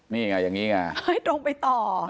นี่ไงอย่างนี้ไงตรงไปต่อ